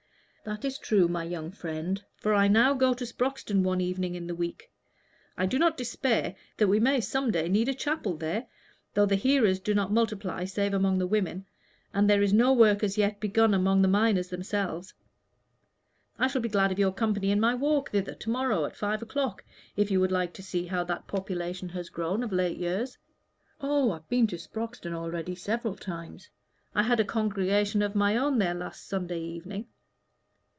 "That is true, my young friend; for I now go to Sproxton one evening in the week. I do not despair that we may some day need a chapel there, though the hearers do not multiply save among the women, and there is no work as yet begun among the miners themselves. I shall be glad of your company in my walk thither to morrow at five o'clock, if you would like to see how that population has grown of late years." "Oh, I've been to Sproxton already several times. I had a congregation of my own there last Sunday evening."